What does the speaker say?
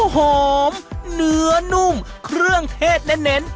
หอมเนื้อนุ่มเครื่องเทศเน้น